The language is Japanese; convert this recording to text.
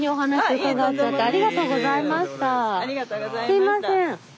すみません。